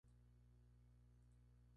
Su patrón es San Miguel.